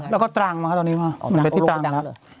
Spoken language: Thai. แล้วก็ตร่างเข้าตอนนี้ไหมมันเป็นที่ตรางเนอะ